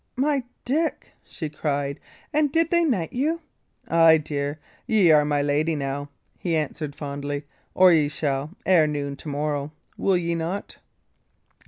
"My Dick!" she cried. "And did they knight you?" "Ay, dear, ye are my lady now," he answered, fondly; "or ye shall, ere noon to morrow will ye not?"